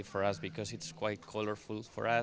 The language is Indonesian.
karena ini cukup berwarna warni untuk kita